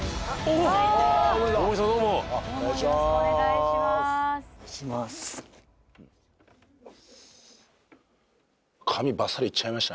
お願いします